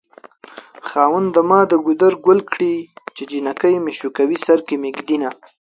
خاونده ما د ګودر ګل کړې چې جنکۍ مې شوکوي سر کې مې ږدينه